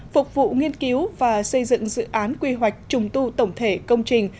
phục vụ nghiên cứu và xây dựng dự án quy hoạch trùng tu tổng thể công trình